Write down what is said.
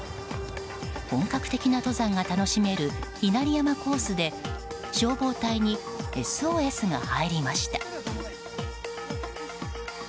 本格的な登山が楽しめる稲荷山コースで消防隊にＳＯＳが入りました。